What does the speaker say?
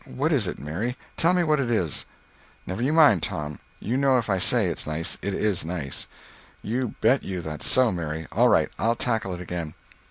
What is it, Mary, tell me what it is." "Never you mind, Tom. You know if I say it's nice, it is nice." "You bet you that's so, Mary. All right, I'll tackle it again."